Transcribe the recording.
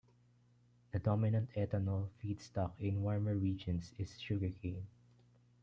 The dominant ethanol feedstock in warmer regions is sugarcane.